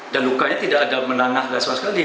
dan lukanya tidak ada menanah langsung sekali